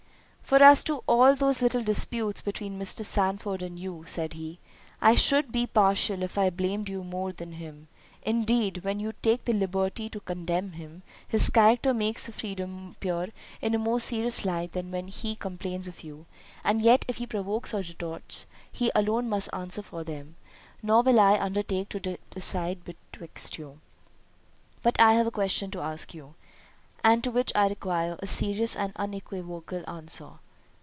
"For as to all those little disputes between Mr. Sandford and you," said he, "I should be partial if I blamed you more than him—indeed, when you take the liberty to condemn him, his character makes the freedom appear in a more serious light than when he complains of you—and yet, if he provokes your retorts, he alone must answer for them; nor will I undertake to decide betwixt you. But I have a question to ask you, and to which I require a serious and unequivocal answer.